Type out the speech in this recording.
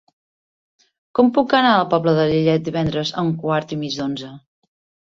Com puc anar a la Pobla de Lillet divendres a un quart i mig d'onze?